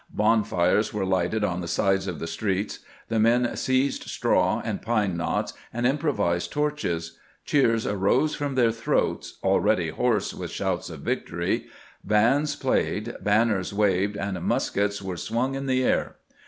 Bonfires were lighted on the sides of the street ; the men seized straw and pine knots, and improvised torches ; cheers arose from their throats, already hoarse with shouts of victory; bands played, banners waved, and muskets were swung in the air.